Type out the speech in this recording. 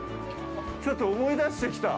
ちょっと思い出してきた！